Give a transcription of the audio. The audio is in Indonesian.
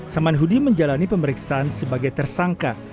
saman hudi menjalani pemeriksaan sebagai tersangka